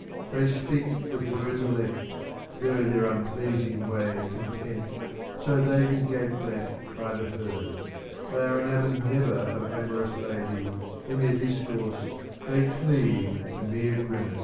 They speak with words elect go their unpleasing way content so they be gaped at by the herd : they are enamoured never of amorous lady : in their discourse they cleave to mere grimace.